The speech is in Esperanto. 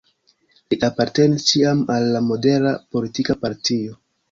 Li apartenis ĉiam al la modera politika partio.